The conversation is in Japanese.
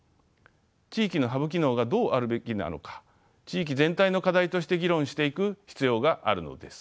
地域のハブ機能がどうあるべきなのか地域全体の課題として議論していく必要があるのです。